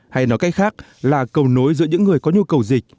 hay nói cách khác là cầu nối giữa những người có nhu cầu dịch